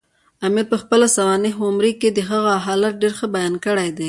امیر پخپله سوانح عمري کې دغه حالت ډېر ښه بیان کړی دی.